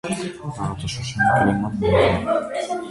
Տարածաշրջանի կլիման մեղմ է։